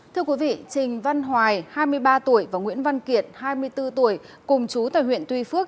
thưa quý vị trình văn hoài hai mươi ba tuổi và nguyễn văn kiệt hai mươi bốn tuổi cùng chú tại huyện tuy phước